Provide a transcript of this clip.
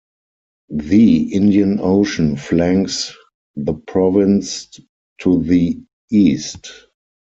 The Indian Ocean flanks the province to the east.